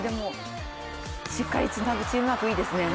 しっかりつなぐチームワークすごいですね。